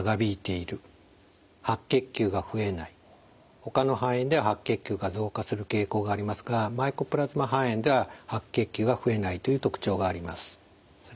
ほかの肺炎では白血球が増加する傾向がありますがマイコプラズマ肺炎では白血球が増えないという特徴があります。